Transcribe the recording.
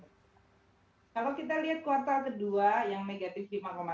kalau kita lihat kuartal ke dua yang negatif lima tiga